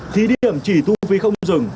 thí điểm chỉ thu phí không dừng